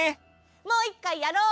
もういっかいやろう。